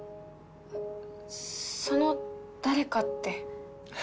その誰かって。